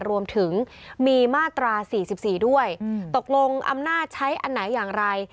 รวมถึงมีมาตรา๔๔ด้วยตกลงอำนาจใช้อันไหนอย่างไร